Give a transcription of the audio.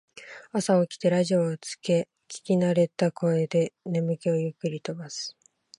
朝起きてラジオをつけ聞きなれた声で眠気をゆっくり飛ばす